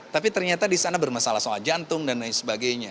tapi ternyata di sana bermasalah soal jantung dan lain sebagainya